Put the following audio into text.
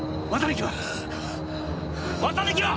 綿貫は！？